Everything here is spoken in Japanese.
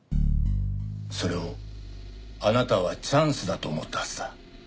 それをあなたはチャンスだと思ったはずだ。